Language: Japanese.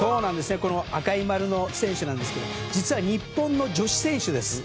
赤い丸の選手なんですが実は日本の女子選手です。